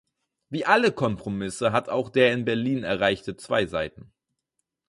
Wie alle Kompromisse hat auch der in Berlin erreichte zwei Seiten.